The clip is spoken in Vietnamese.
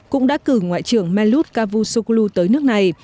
cũng đã cử ngoại trưởng melut cavusoklu tới nước này